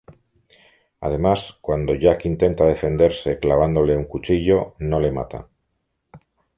Además, cuando Jack intenta defenderse clavándole un cuchillo, no le mata.